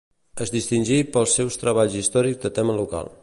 Es distingí pels seus treballs històrics de tema local.